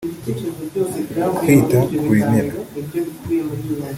kwita ku bimera